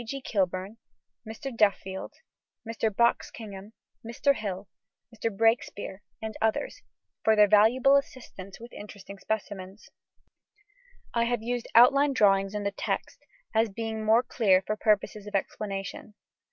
G. Kilburne, Mr. Duffield, Mr. Box Kingham, Mr. Hill, Mr. Breakespeare, and others, for their valuable assistance with interesting specimens. I have used outline drawings in the text, as being more clear for purposes of explanation.